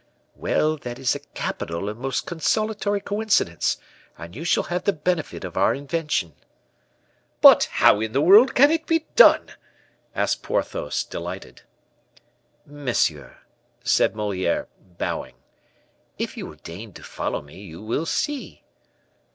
"Well, that is a capital and most consolatory coincidence, and you shall have the benefit of our invention." "But how in the world can it be done?" asked Porthos, delighted. "Monsieur," said Moliere, bowing, "if you will deign to follow me, you will see."